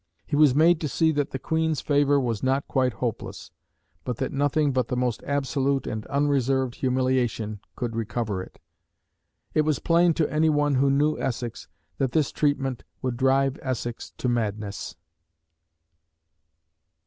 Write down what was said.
He was made to see that the Queen's favour was not quite hopeless; but that nothing but the most absolute and unreserved humiliation could recover it. It was plain to any one who knew Essex that this treatment would drive Essex to madness.